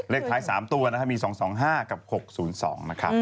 เลขท้าย๓ตัวนะครับมี๒๒๕กับ๖๐๒นะครับ